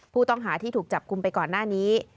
ผู้ต้องหาที่ถูกจับกลุ่มไปก่อนหน้านี้